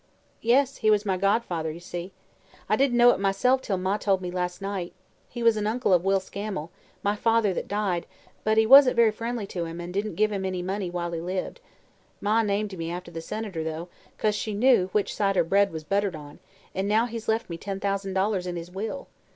"Yes; he was my godfather, you see. I didn't know it myself till Ma told me last night. He was an uncle of Will Scammel, my father that died, but he wasn't very friendly to him an' didn't give him any money while he lived. Ma named me after the Senator, though, 'cause she knew which side her bread was buttered on, an' now he's left me ten thousand dollars in his will."